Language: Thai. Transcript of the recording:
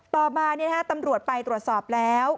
ต่อมาตำรวจไปตรวจสอบแล้ว